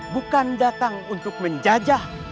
bukan datang untuk menjajah